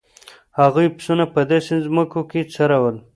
هغوی پسونه په داسې ځمکو کې څرول.